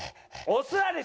おすわり！